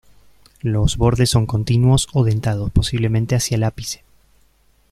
Los bordes son continuos o dentados posiblemente hacia el ápice.